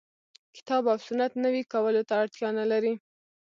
کتاب او سنت نوي کولو ته اړتیا نه لري.